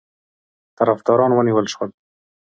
طرفداران ونیول شول.